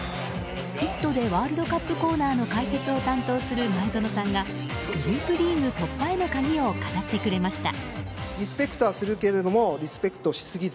「イット！」でワールドカップコーナーの解説を担当する前園さんがグループリーグ突破への鍵を語ってくれました。